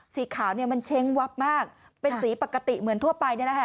สีขาวมันเช้งวับมากเป็นสีปกติเหมือนทั่วไปนี่แหละ